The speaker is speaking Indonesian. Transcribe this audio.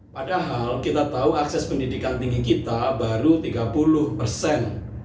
padahal kita tahu akses pendidikan tinggi kita baru tiga puluh persen